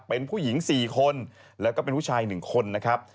เป็นผู้หญิง๔คนแล้วก็เป็นผู้ชาย๑คนนะครับ